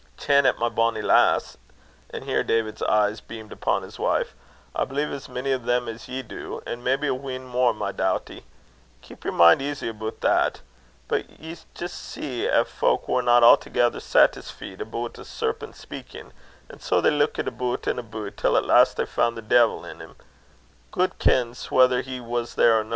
"Janet, my bonnie lass " and here David's eyes beamed upon his wife "I believe as mony o' them as ye do, an' maybe a wheen mair, my dawtie. Keep yer min' easy aboot that. But ye jist see 'at fowk warna a'thegither saitisfeed aboot a sairpent speikin', an' sae they leukit aboot and aboot till at last they fand the deil in him. Gude kens whether he was there or no.